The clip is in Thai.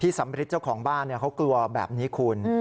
พี่สัมฤทธิ์เจ้าของบ้านเนี่ยเขากลัวแบบนี้คุณ